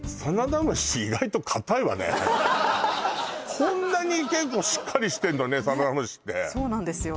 こんなに結構しっかりしてんのねサナダムシってそうなんですよ